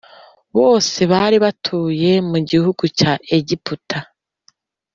bose bari batuye mu gihugu cya Egiputa